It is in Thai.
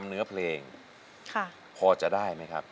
เปลี่ยนเพลงเก่งของคุณและข้ามผิดได้๑คำ